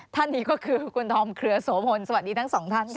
ท่านนี้ก็คือคุณธอมเครือโสพลสวัสดีทั้งสองท่านค่ะ